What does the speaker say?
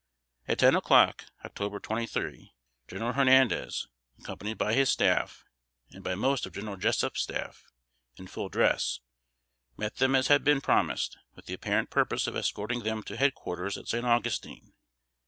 At ten o'clock (Oct. 23), General Hernandez, accompanied by his staff and by most of General Jessup's staff, in full dress, met them as had been promised, with the apparent purpose of escorting them to head quarters at San Augustine.